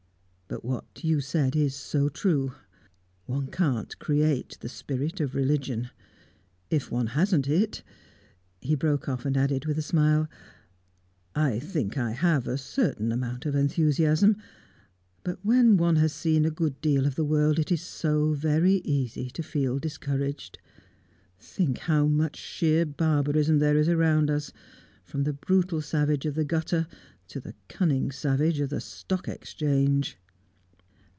"But what you said is so true one can't create the spirit of religion. If one hasn't it " He broke off, and added with a smile, "I think I have a certain amount of enthusiasm. But when one has seen a good deal of the world, it's so very easy to feel discouraged. Think how much sheer barbarism there is around us, from the brutal savage of the gutter to the cunning savage of the Stock Exchange!"